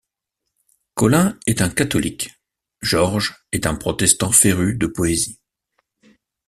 Colin est un catholique, George est un protestant féru de poésie.